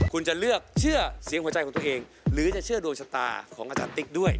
คุณจะเลือกเชื่อเสียงหัวใจของตัวเองหรือจะเชื่อดวงชะตาของอาจารย์ติ๊กด้วย